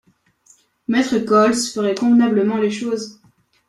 Maître Koltz ferait convenablement les choses.